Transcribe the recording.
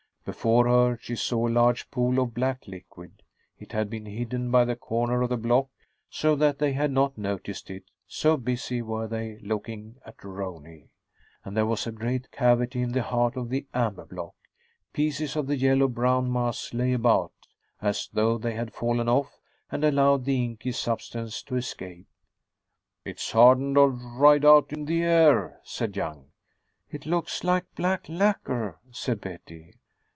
Before her, she saw a large pool of black liquid. It had been hidden by the corner of the block, so that they had not noticed it, so busy were they looking at Rooney. And there was a great cavity in the heart of the amber block. Pieces of the yellow brown mass lay about, as though they had fallen off and allowed the inky substance to escape. "It's hardened or dried out in the air," said Young. "It looks like black lacquer," said Betty.